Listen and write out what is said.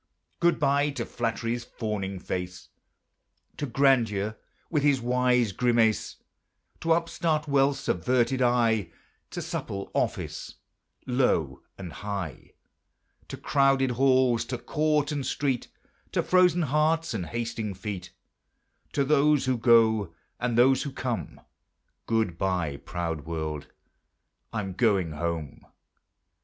Good bye to Flattery's fawning face; To Grandeur with his wise grimace; To upstart Wealth's averted eye; To supple Office, low and high; To crowded halls, to court and street; To frozen hearts and hasting feet; To those who go, and those who come; Good bye, proud world! I'm going home.